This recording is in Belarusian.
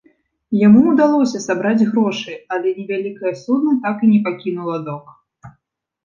Яму ўдалося сабраць грошы, але невялікае судна так і не пакінула док.